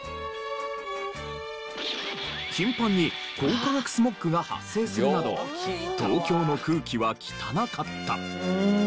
頻繁に光化学スモッグが発生するなど東京の空気は汚かった。